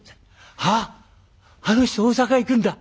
「あっあの人大坂行くんだ。